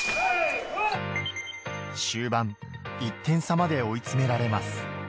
終盤、１点差まで追い詰められます。